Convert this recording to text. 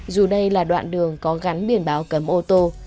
dù đây là đoạn đường có gắn biển báo cấm ô tô